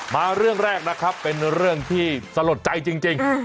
มาเรื่องแรกนะครับเป็นเรื่องที่สลดใจจริง